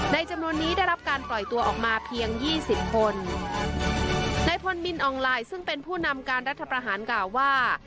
จำนวนนี้ได้รับการปล่อยตัวออกมาเพียงยี่สิบคนในพลมินอองไลน์ซึ่งเป็นผู้นำการรัฐประหารกล่าวว่า